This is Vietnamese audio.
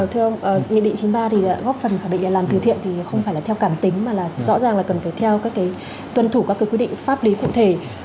thưa ông nghị định chín mươi ba thì góp phần khẳng định là làm từ thiện thì không phải là theo cảm tính mà là rõ ràng là cần phải theo các tuân thủ các quy định pháp lý cụ thể